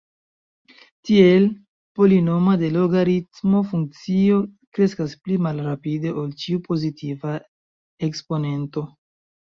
Tiel, polinoma de logaritmo funkcio kreskas pli malrapide ol ĉiu pozitiva eksponento.